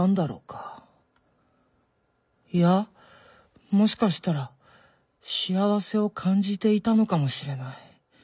いやもしかしたら幸せを感じていたのかもしれない。